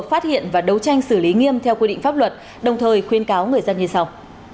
phát hiện và đấu tranh xử lý nghiêm theo quy định pháp luật đồng thời khuyên cáo người dân như sau